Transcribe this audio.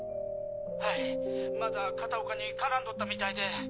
はいまだ片岡に絡んどったみたいで。